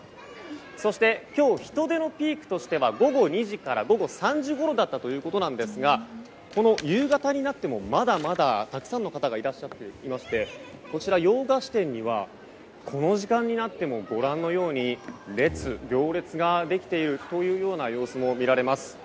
そして今日人出のピークとしては午後２時から午後３時ごろだったということなんですがこの夕方になってもまだまだたくさんの方がいらっしゃっていましてこちら洋菓子店にはこの時間になってもご覧のように行列ができているというような様子も見られます。